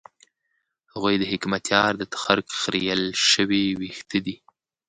هغوی د حکمتیار د تخرګ خرېیل شوي وېښته دي.